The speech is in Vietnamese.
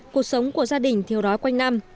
cuộc sống của gia đình thiếu đói quanh năm